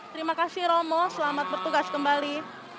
terima kasih romo selamat bertugas kembali